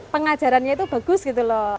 pengajarannya itu bagus gitu loh